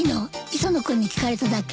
磯野君に聞かれただけ。